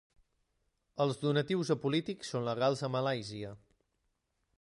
Els donatius a polítics són legals a Malàisia.